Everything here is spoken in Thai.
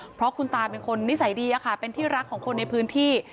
เพราะคุณตาเป็นคนนิสัยดีเป็นที่รักของคนในพื้นที่